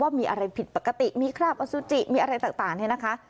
มีอะไรผิดปกติมีคราบอสุจิมีอะไรต่างเนี่ยนะคะ